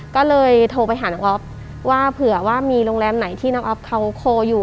ก็เลยโทรไปหาน้องอ๊อฟว่าเผื่อว่ามีโรงแรมไหนที่น้องอ๊อฟเขาโคลอยู่